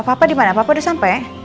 papa dimana papa udah sampai